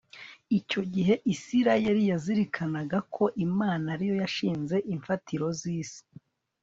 Icyo gihe Isirayeli yazirikanaga ko Imana ari yo yashinze imfatiro zisi